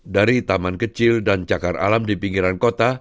dari taman kecil dan cakar alam di pinggiran kota